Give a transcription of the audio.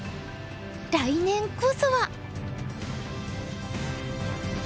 来年こそは。